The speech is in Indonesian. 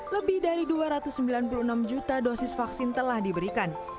lebih dari dua ratus sembilan puluh enam juta dosis vaksin telah diberikan